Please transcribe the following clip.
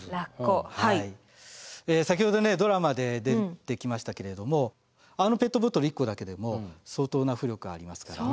先ほどねドラマで出てきましたけれどもあのペットボトル１個だけでも相当な浮力ありますから。